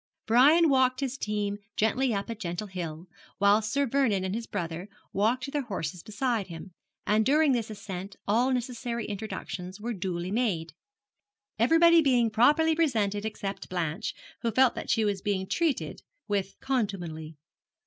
Brian walked his team gently up a gentle hill, while Sir Vernon and his brother walked their horses beside him, and during this ascent all necessary introductions were duly made, everybody being properly presented except Blanche, who felt that she was being treated with contumely.